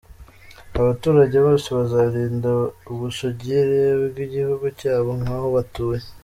Abaturage bose bazarinda ubusugire bw’igihugu cyabo, nk’aho batuye.